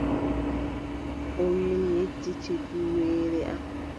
O wii, mi yejjiti duweere am.